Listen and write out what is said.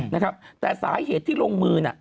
นะครับแต่สาเหตุที่ลงมือน่ะ